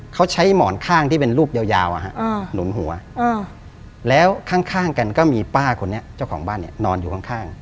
เขาใช้หมอนข้างที่เป็นรูปยาวหนุนหัวแล้วข้างกันก็มีป้าคนนี้เจ้าของบ้านเนี่ยนอนอยู่ข้าง